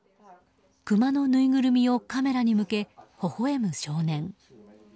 クマのぬいぐるみをカメラに向けほほ笑む少年。